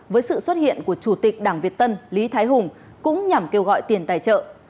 với sự xuất hiện của chủ tịch đảng việt tân lý thái hùng cũng nhằm kêu gọi tiền tài trợ